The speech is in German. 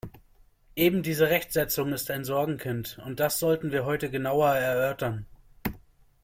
Eben diese Rechtsetzung ist ein Sorgenkind, und das sollten wir heute genauer erörtern.